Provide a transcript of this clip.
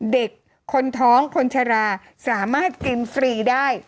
เด็กคนท้องคนชะลาสามารถกินฟรีได้